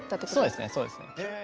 そうですねそうですね。へえ。